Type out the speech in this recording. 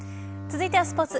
続いてはスポーツ。